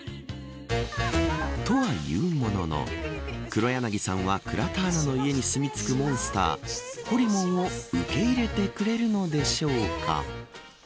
とは言うものの黒柳さんは倉田アナの家に住み着くモンスターほりもんを受け入れてくれるのでしょうか。